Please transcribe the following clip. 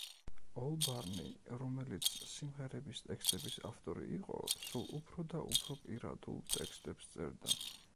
ოლბარნი, რომელიც სიმღერების ტექსტების ავტორი იყო, სულ უფრო და უფრო პირადულ ტექსტებს წერდა.